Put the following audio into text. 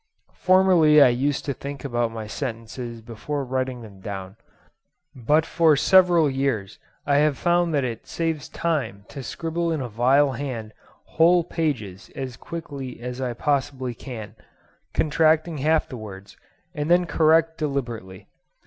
Formerly I used to think about my sentences before writing them down; but for several years I have found that it saves time to scribble in a vile hand whole pages as quickly as I possibly can, contracting half the words; and then correct deliberately.